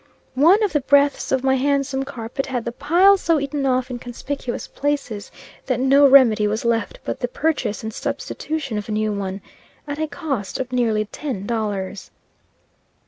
One of the breadths of my handsome carpet had the pile so eaten off in conspicuous places, that no remedy was left but the purchase and substitution of a new one, at a cost of nearly ten dollars.